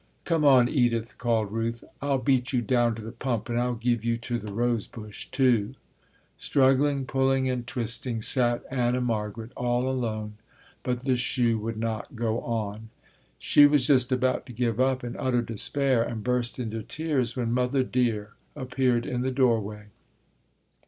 "Come on, Edith," called Ruth, "I'll beat you down to the pump and I'll give you to the rose bush, too." Struggling, pulling and twisting sat Anna Margaret all alone, but the shoe would not go on. She was just about to give up in utter despair and burst into tears when Mother Dear appeared in the doorway.